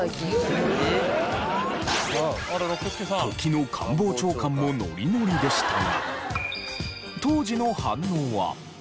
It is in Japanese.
時の官房長官もノリノリでしたが。